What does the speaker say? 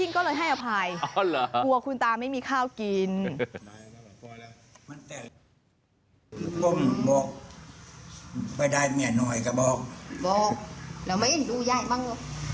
ก็ยังดีนะที่ยังบอกกันตรง